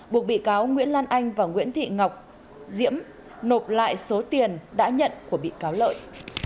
buộc bị cáo nguyễn lan anh và nguyễn thị ngọc diễm nộp lại số tiền đã nhận của bị cáo lợi